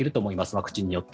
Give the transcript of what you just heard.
ワクチンによって。